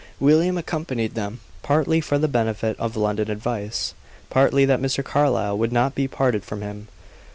William accompanied them, partly for the benefit of London advice, partly that Mr. Carlyle would not be parted from him.